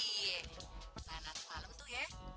iya malem atau malem tuh ya